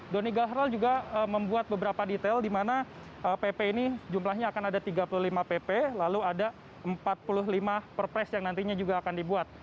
doni gahral juga membuat beberapa detail di mana pp ini jumlahnya akan ada tiga puluh lima pp lalu ada empat puluh lima perpres yang nantinya juga akan dibuat